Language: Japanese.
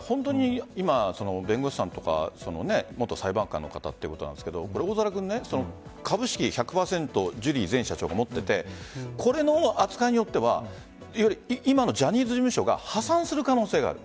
今、弁護士さんとか元裁判官の方というところですが株式、１００％ジュリー前社長が持っていてこの扱いによっては今のジャニーズ事務所が破産する可能性がある。